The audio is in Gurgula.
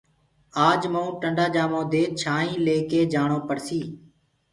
آج مئونٚ ٽندآ جآمو دي ڪآئينٚ ليڪي جآڻو پڙسيٚ